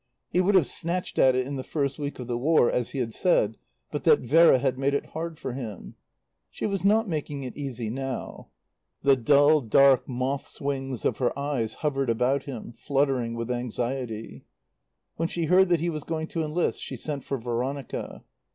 He would have snatched at it in the first week of the War, as he had said, but that Vera had made it hard for him. She was not making it easy now. The dull, dark moth's wings of her eyes hovered about him, fluttering with anxiety. When she heard that he was going to enlist she sent for Veronica.